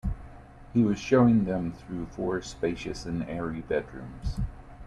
He was showing them through four spacious and airy bedrooms.